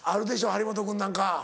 張本君なんか。